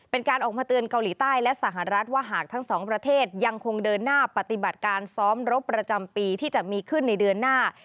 เป็นการออกมาเตือนเกาหลีใต้และสหรัฐว่าหากทั้งสองประเทศยังคงเดินหน้าปฏิบัติการซ้อมรบประจำปีที่จะมีขึ้นในเดือนหน้า